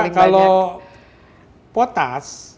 kita kalau potas